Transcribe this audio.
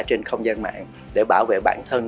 trên không gian mạng để bảo vệ bản thân